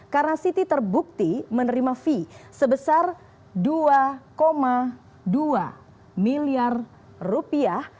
karena siti terbukti menerima fee sebesar dua dua miliar rupiah